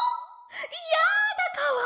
やだかわいい！